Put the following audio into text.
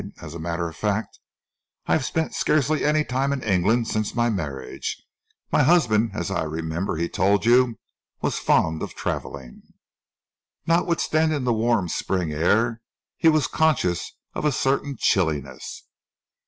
"As a matter of fact, I have spent scarcely any time in England since my marriage. My husband, as I remember he told you, was fond of travelling." Notwithstanding the warm spring air he was conscious of a certain chilliness.